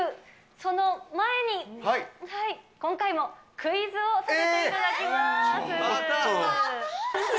その前に、今回もクイズをさせていただきます。